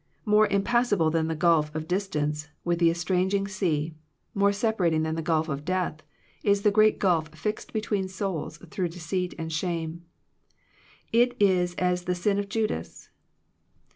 More impassable than the gulf of distance with the estranging sea, more separating than the gulf of death, is the great gulf fixed between souls through deceit and shame. It is as the sin of Judas.